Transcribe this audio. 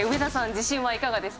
自信はいかがですか？